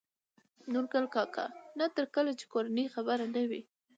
نورګل کاکا : نه تر کله يې چې کورنۍ خبره نه وي